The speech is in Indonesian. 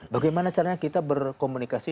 bagaimana caranya kita berkomunikasi